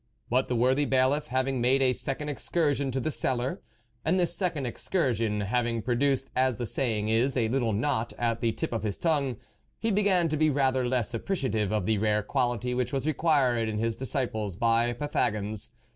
But the worthy Bailiff, having made a second excursion to the cellar, and this second excursion having produced, as the saying is, a little knot at the tip of his tongue, he began to be rather less apprecia tive of the rare quality which was required in his disciples by Pythagons.